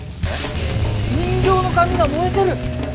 人形の髪が燃えてる！